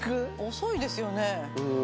遅いですよね？